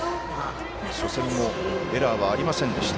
初戦もエラーはありませんでした。